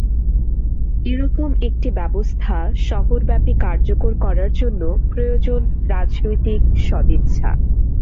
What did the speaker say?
এ রকম একটি ব্যবস্থা শহরব্যাপী কার্যকর করার জন্য প্রয়োজন রাজনৈতিক সদিচ্ছা।